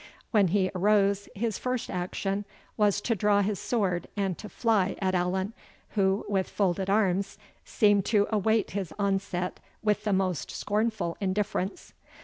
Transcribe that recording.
When he arose, his first action was to draw his sword and to fly at Allan, who, with folded arms, seemed to await his onset with the most scornful indifference.